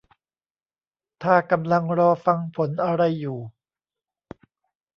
ถ้ากำลังรอฟังผลอะไรอยู่